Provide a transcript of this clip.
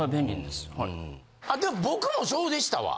でも僕もそうでしたわ。